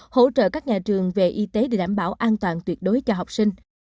hỗ trợ các nhà trường về y tế để đảm bảo an toàn tuyệt đối cho học sinh